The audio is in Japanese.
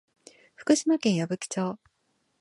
福島県矢吹町